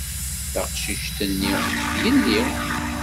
Taqcict-nni, d yelli.